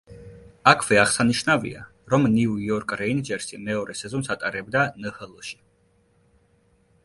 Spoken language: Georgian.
აქვე აღსანიშნავია, რომ ნიუ-იორკ რეინჯერსი მეორე სეზონს ატარებდა ნჰლ-ში.